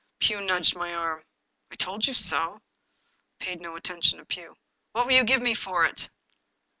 Pugh nudged my arm. " I told you so." I paid no attention to Pugh. " What will you give me for it?"